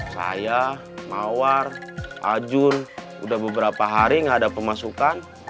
saya mawar ajun udah beberapa hari nggak ada pemasukan